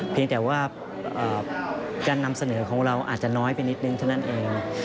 เพียงแต่ว่าการนำเสนอของเราอาจจะน้อยไปนิดนึงเท่านั้นเอง